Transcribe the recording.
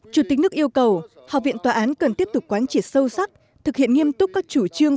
chủ tịch nước yêu cầu học viện tòa án cần tiếp tục quán triệt sâu sắc thực hiện nghiêm túc các chủ trương